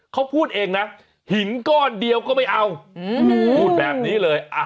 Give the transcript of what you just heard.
เขาพูดเองนะหินก้อนเดียวก็ไม่เอาพูดแบบนี้เลย